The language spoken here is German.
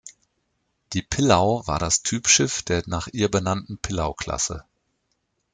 Die "Pillau" war das Typschiff der nach ihr benannten "Pillau"-Klasse.